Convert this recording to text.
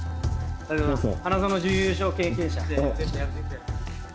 ありがとうございます。